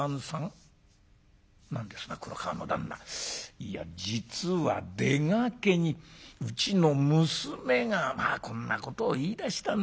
「いや実は出がけにうちの娘がまあこんなことを言いだしたんでございます。